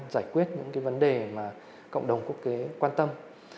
giải quyết những cái vấn đề mà cộng đồng quốc tế quan tâm